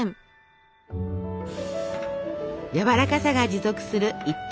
やわらかさが持続する一等